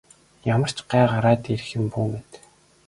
Ямар ч гай гараад ирэх юм бүү мэд.